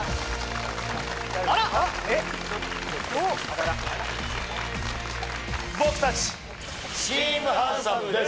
あらっえっ僕たちチーム・ハンサム！です！